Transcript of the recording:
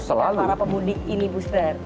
untuk memastikan para pemudik ini booster